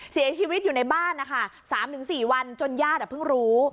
เสียชีวิตอยู่ในบ้านนะคะ๓๔วันจนญาติเพิ่งรู้